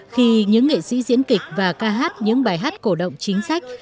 khi những nghệ sĩ diễn kịch và ca hát những bài hát cổ động chính sách